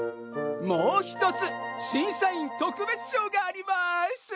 もう１つ審査員特別賞があります。